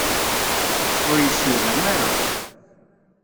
Ur yessewham ara!